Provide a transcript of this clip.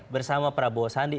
bersama prabowo sandi